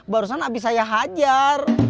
barusan abis saya hajar